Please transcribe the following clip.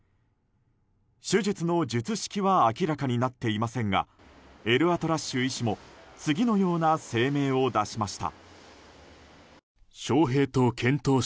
手術の術式は明らかになっていませんがエルアトラッシュ医師も次のような声明を出しました。